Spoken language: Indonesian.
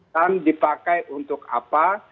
dan dipakai untuk apa